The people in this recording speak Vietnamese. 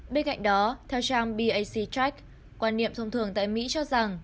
bên cạnh đó theo john b a c drack quan niệm thông thường tại mỹ cho rằng